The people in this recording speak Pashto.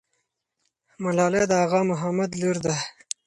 ملالۍ د اغا محمد لور ده.